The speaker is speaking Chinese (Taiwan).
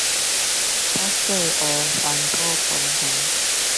北勢湖環保公園